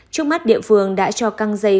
trước mắt địa phương đã cho căng dây